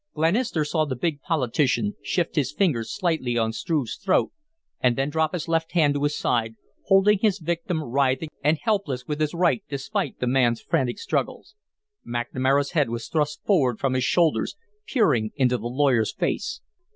Glenister saw the big politician shift his fingers slightly on Struve's throat and then drop his left hand to his side, holding his victim writhing and helpless with his right despite the man's frantic struggles. McNamara's head was thrust forward from his shoulders, peering into the lawyer's face.